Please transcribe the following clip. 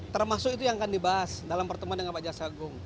termasuk itu yang akan dibahas dalam pertemuan dengan pak jaksa agung